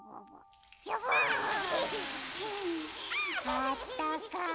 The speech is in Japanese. あったかい。